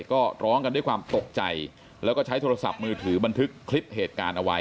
ก็ร้องกันด้วยความตกใจแล้วก็ใช้โทรศัพท์มือถือบันทึกคลิปเหตุการณ์เอาไว้